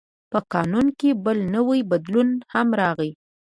په قانون کې بل نوی بدلون هم راغی.